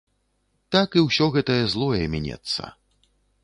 Так і ўсё гэтае злое мінецца.